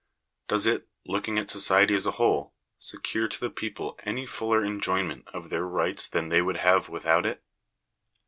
Does it, looking at society as a whole, secure to the people any fuller enjoyment of their rights than they would have without it